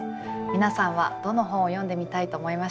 皆さんはどの本を読んでみたいと思いましたか？